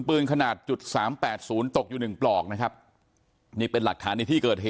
ปืนขนาดจุด๓๘๐ตกอยู่๑ปลอกนะครับนี่เป็นหลักฐานในที่เกิด